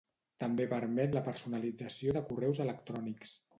També permet la personalització de correus electrònics.